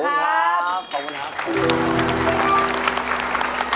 ขอบคุณครับ